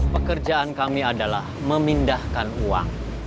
pekerjaan kami adalah memindahkan uang